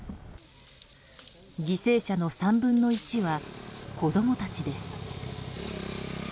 犠牲者の３分の１は子供たちです。